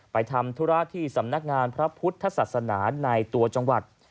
ทำธุระที่สำนักงานพระพุทธศาสนาในตัวจังหวัด